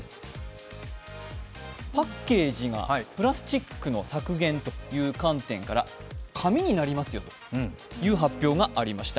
パッケージがプラスチックの削減という観点から紙になりますよという発表がありました。